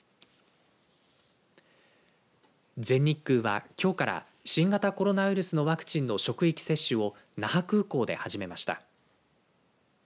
全日空は、きょうから新型コロナウイルスのワクチンの職域接種を那覇空港で始めました。